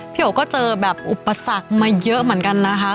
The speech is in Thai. โอก็เจอแบบอุปสรรคมาเยอะเหมือนกันนะคะ